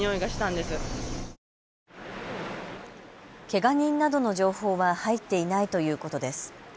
けが人などの情報は入っていないということです。